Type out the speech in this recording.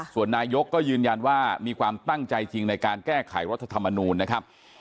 ส่วนนายกก็ยืนยันว่ามีความตั้งใจจริงในการแก้ไขรัฐธรรมนูลนะครับ